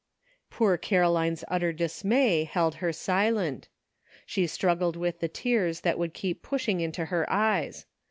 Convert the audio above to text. Poor Caroline's utter dismay held her silent. She struggled with the tears that would keep pushing into her eyes.